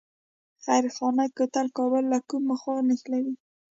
خیرخانه کوتل کابل له کومې خوا نښلوي؟